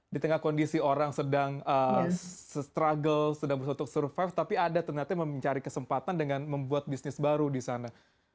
di tengah kondisi orang sedang struggle sedang berusaha untuk survive tapi ada ternyata yang mencari kesempatan dengan membuat bisnis baru di sana